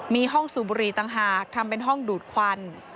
มีห้องสูบบุหรี่ต่างหากทำเป็นห้องดูดควัน